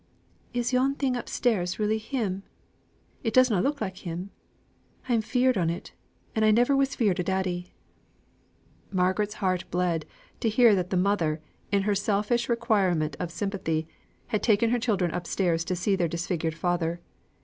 "Is yon thing upstairs really him? it doesna look like him. I'm feared on it, and I never was feared o' daddy." Margaret's heart bled to hear that the mother, in her selfish requirement of sympathy, had taken her children upstairs to see their dead disfigured father.